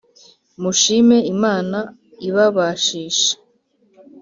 mushime imana ibabashishe